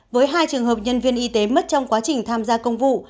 với hai trường hợp nhân viên y tế mất trong quá trình tham gia công vụ